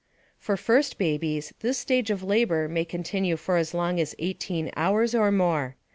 For first babies, this stage of labor may continue for as long as 18 hours or more.